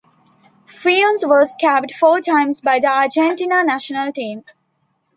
Funes was capped four times by the Argentina National Team.